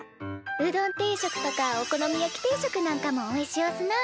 うどん定食とかお好み焼き定食なんかもおいしおすなあ。